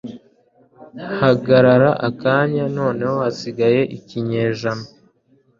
hagarara akanya noneho hasigaye ikinyejana